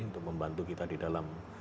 untuk membantu kita di dalam